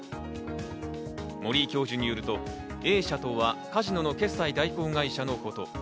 森井教授によるとＡ社とは、カジノ決済代行会社のこと。